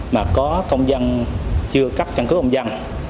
mà có công dân chưa cấp căn cước công dân